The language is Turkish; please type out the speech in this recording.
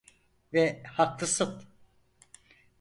Ve haklısın.